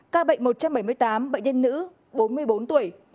ca bệnh một trăm bảy mươi tám bệnh nhân nữ bốn mươi bốn tuổi